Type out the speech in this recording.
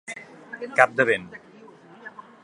Cap de vent.